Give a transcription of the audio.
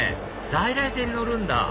在来線に乗るんだ？